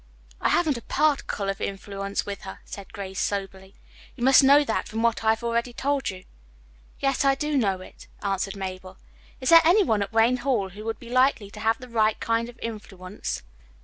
"I haven't a particle of influence with her," said Grace soberly. "You must know that from what I have already told you." "Yes, I do know it," answered Mabel. "Is there any one at Wayne Hall who would be likely to have the right kind of influence?"